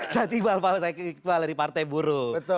satu satunya saya kualifikasi dari partai baru